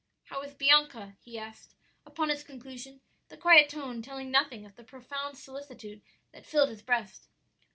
"'How is Bianca?' he asked, upon its conclusion, the quiet tone telling nothing of the profound solicitude that filled his breast.